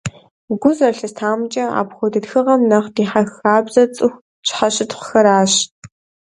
Гу зэрылъыстамкӀэ, апхуэдэ тхыгъэхэм нэхъ дихьэх хабзэр цӀыху щхьэщытхъухэрщ.